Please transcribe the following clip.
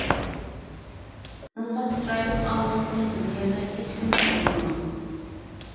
ئۇنداق چىرايلىق ئاۋازنى دۇنيادا ھېچكىم ئاڭلىمىغان.